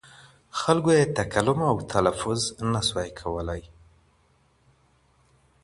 خلکو ئې تکلم او تلفظ نسوای کولای.